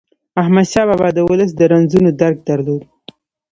احمدشاه بابا د ولس د رنځونو درک درلود.